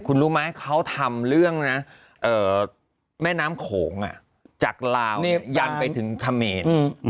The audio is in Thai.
คุณรู้ไหมเขาทำเรื่องนะแม่น้ำโขงจากลาวยันไปถึงเขมร